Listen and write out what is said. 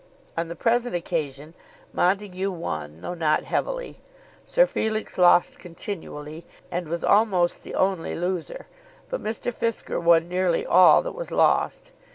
On the present occasion Montague won, though not heavily. Sir Felix lost continually, and was almost the only loser. But Mr. Fisker won nearly all that was lost.